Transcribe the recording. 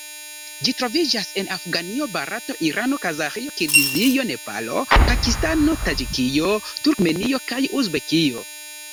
Ĝi troviĝas en Afganio, Barato, Irano, Kazaĥio, Kirgizio, Nepalo, Pakistano, Taĝikio, Turkmenio kaj Uzbekio.